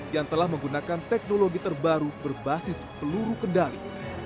yang telah menggunakan teknologi terbaru berbasis peluru kendali